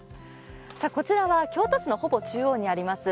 こちらは京都市のほぼ中央にあります